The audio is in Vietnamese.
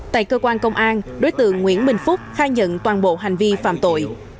tại cơ quan công an đối tượng nguyễn bình phúc khai nhận toàn bộ hành vi phạm tội